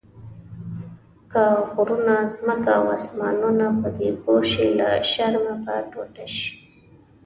که غرونه، ځمکه او اسمانونه پدې پوه شي له شرمه به ټوټه شي.